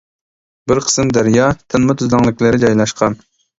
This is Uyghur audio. بىر قىسىم دەريا تىنما تۈزلەڭلىكلىرى جايلاشقان.